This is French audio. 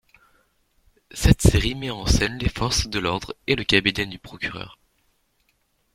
Cette série met en scène les forces de l'ordre et le cabinet du Procureur.